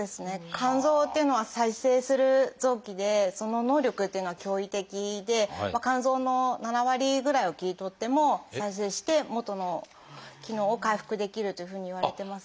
肝臓っていうのは再生する臓器でその能力っていうのは驚異的で肝臓の７割ぐらいは切り取っても再生して元の機能を回復できるというふうにいわれてます。